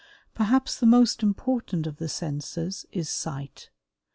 Perhaps the most important of the senses is sight.